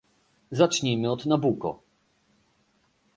Zacznijmy od Nabucco